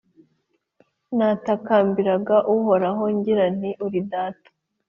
Natakambiraga Uhoraho, ngira nti «Uri Data!